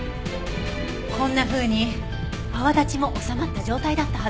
こんなふうに泡立ちも収まった状態だったはずです。